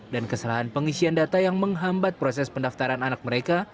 dan kesalahan pengisian data yang menghambat proses pendaftaran anak mereka